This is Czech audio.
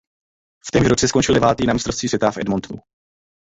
V témž roce skončil devátý na mistrovství světa v Edmontonu.